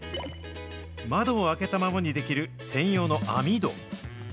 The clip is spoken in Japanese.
窓を開けたままにできる専用の網戸。